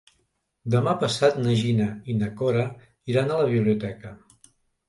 Demà passat na Gina i na Cora iran a la biblioteca.